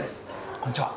こんにちは！